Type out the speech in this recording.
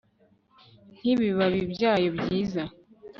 Nkibibabi byayo byiza